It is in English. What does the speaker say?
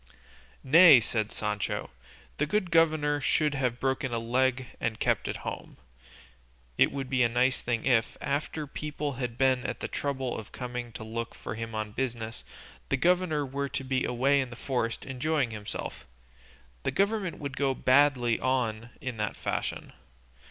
"Nay," said Sancho, "the good governor should have a broken leg and keep at home;" it would be a nice thing if, after people had been at the trouble of coming to look for him on business, the governor were to be away in the forest enjoying himself; the government would go on badly in that fashion.